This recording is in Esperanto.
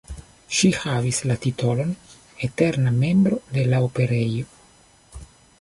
Ŝi havis la titolon eterna membro de la Operejo.